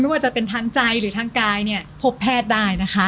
ว่าจะเป็นทางใจหรือทางกายเนี่ยพบแพทย์ได้นะคะ